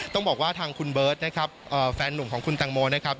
ต้องบอกว่าทางคุณเบิร์ตนะครับแฟนหนุ่มของคุณตังโมนะครับ